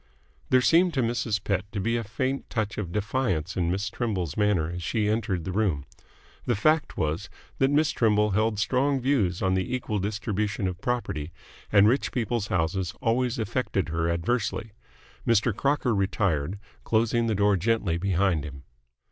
There seemed to Mrs. Pett to be a faint touch of defiance in Miss Trimble's manner as she entered the room. The fact was that Miss Trimble held strong views on the equal distribution of property, and rich people's houses always affected her adversely. Mr. Crocker retired, closing the door gently behind him.